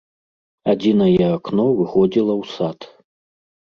Адзінае акно выходзіла ў сад.